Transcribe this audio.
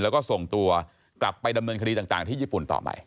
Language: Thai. แล้วก็ส่งตัวกลับไปดำเนินคดีต่างที่ญี่ปุ่นต่อไป